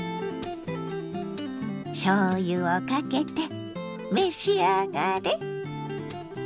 しょうゆをかけて召し上がれ！